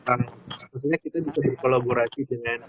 tentunya kita bisa berkolaborasi dengan